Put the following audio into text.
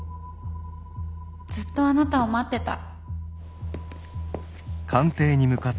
ずっとあなたを待ってた。